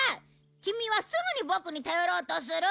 キミはすぐにボクに頼ろうとする！